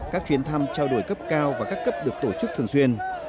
các chuyến thăm trao đổi cấp cao và các cấp được tổ chức thường xuyên